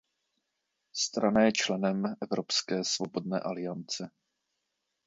Strana je členem Evropské svobodné aliance.